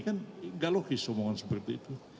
kan tidak logis omongan seperti itu